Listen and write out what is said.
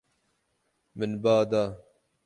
Min ba da.